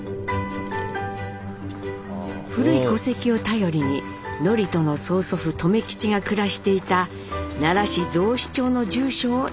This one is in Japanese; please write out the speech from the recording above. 古い戸籍を頼りに智人の曽祖父留吉が暮らしていた奈良市雑司町の住所を訪ねました。